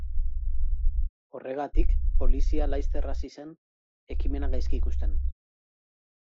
Horregatik, polizia laster hasi zen ekimena gaizki ikusten.